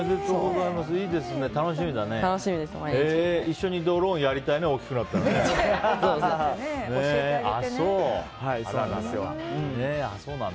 一緒にドローンやりたいね大きくなったらね。